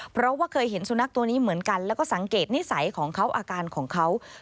เพราะว่าเคยเห็นสุนัขตัวนี้เหมือนกันแล้วก็สังเกตนิสัยของเขาอาการของเขา